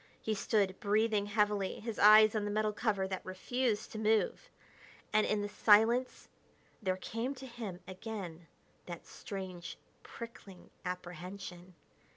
He stood, breathing heavily, his eyes on the metal cover that refused to move. And in the silence there came to him again that strange, prickling apprehension.